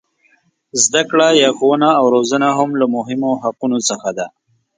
زده کړه یا ښوونه او روزنه هم له مهمو حقونو څخه ده.